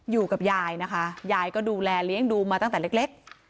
อยู่กับยายนะคะยายก็ดูแลเลี้ยงดูมาตั้งแต่เล็ก